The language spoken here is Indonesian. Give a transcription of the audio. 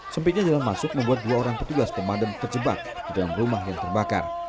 sempitnya jalan masuk membuat dua orang petugas pemadam terjebak di dalam rumah yang terbakar